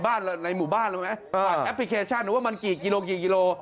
ในหมู่บ้านรู้ไหมผ่านแอปพลิเคชันว่ามันกี่กิโลกี่กิโล